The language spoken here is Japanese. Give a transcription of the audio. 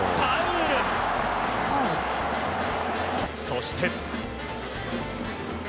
そして。